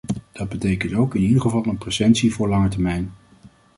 Dat betekent ook in ieder geval een presentie voor langere termijn.